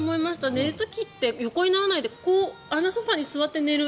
寝る時って横にならないであのソファに座って寝る。